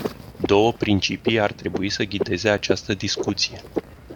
Două principii ar trebui să ghideze această discuție.